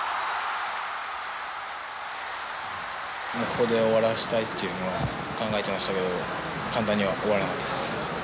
ここで終わらせたいっていうのは考えてましたけど簡単には終わらなかったです。